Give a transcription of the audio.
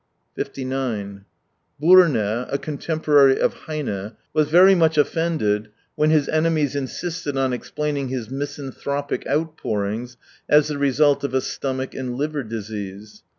59 Bsrne, a contemporary of Heine, was very much offended when his enemies insisted on explaining his misanthropic out pourings as the result of a stomach and liver disease.